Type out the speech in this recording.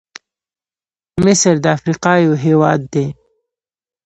مصرد افریقا یو هېواد دی.